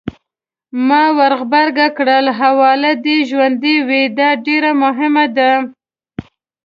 ما ورغبرګه کړل: حواله دې ژوندۍ وي! دا ډېره مهمه ده.